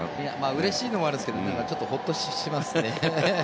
うれしいのもあるんですけれどもちょっとホッとしますね。